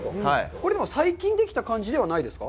これ、最近できた感じではないですか？